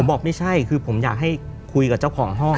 บอกไม่ใช่คือผมอยากให้คุยกับเจ้าของห้อง